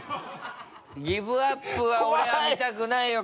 ギブアップは俺は見たくないよ。